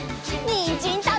にんじんたべるよ！